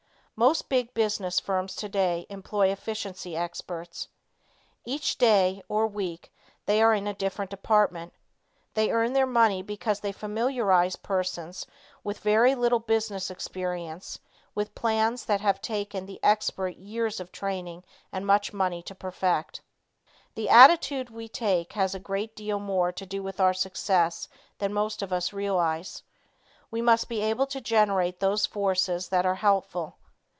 Most big business firms today employ efficiency experts. Each day or week they are in a different department. They earn their money because they familiarize persons with very little business experience with plans that has taken the "expert" years of training and much money to perfect. The attitude we take has a great deal more to do with our success than most of us realize. We must be able to generate those forces that are helpful.